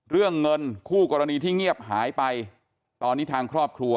เรื่องเงินคู่กรณีที่เงียบหายไปตอนนี้ทางครอบครัว